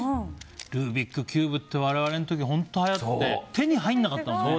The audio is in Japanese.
ルービックキューブって我々の時に本当はやって手に入らなかったもんね。